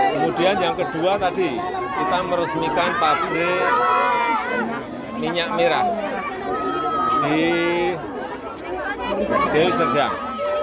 kemudian yang kedua tadi kita meresmikan pabrik minyak merah di deli serdang